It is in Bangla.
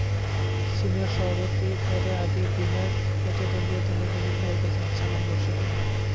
সিনিয়র সহসভাপতি পদে আগেই বিনা প্রতিদ্বন্দ্বিতায় নির্বাচিত হয়ে গেছেন সালাম মুর্শেদী।